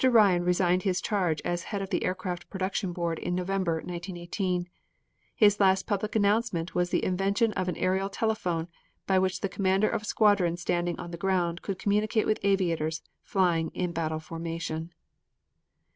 Ryan resigned his charge as head of the Aircraft Production Board in November, 1918. His last public announcement was of the invention of an aerial telephone, by which the commander of a squadron standing on the ground could communicate with aviators flying in battle formation.